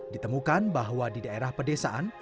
ditemukan bahwa di daerah pedesaan